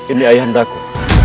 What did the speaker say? ini ayah andaku